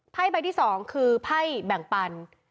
เภ้าใบที่สองคือเภ้าแบ่งปัน